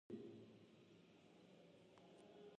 د ژمي وچې میوې د توشې په توګه دي.